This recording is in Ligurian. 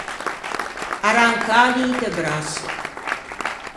Arrancâ d’inte brasse.